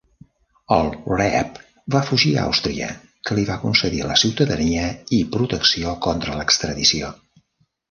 El Rebbe va fugir a Àustria, que li va concedir la ciutadania i protecció contra l'extradició.